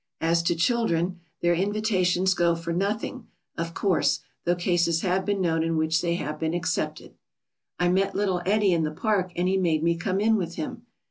As to children, their invitations go for nothing, of course, though cases have been known in which they have been accepted. "I met little Eddy in the park, and he made me come in with him."